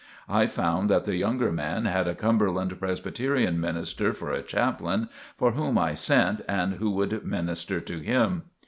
I found that the younger man had a Cumberland Presbyterian minister for a Chaplain for whom I sent and who would minister to him.